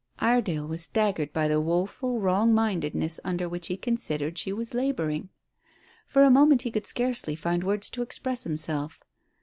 Iredale was staggered by the woeful wrong mindedness under which he considered she was labouring. For a moment he could scarcely find words to express himself.